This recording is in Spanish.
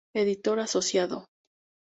Editor Asociado.